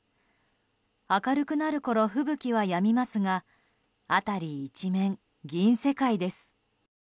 明るくなるころ吹雪はやみますが辺り一面、銀世界です。